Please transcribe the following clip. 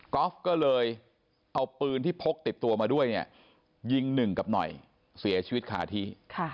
อล์ฟก็เลยเอาปืนที่พกติดตัวมาด้วยเนี่ยยิงหนึ่งกับหน่อยเสียชีวิตคาที่